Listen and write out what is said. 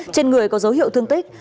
trên người có dấu hiệu thương tích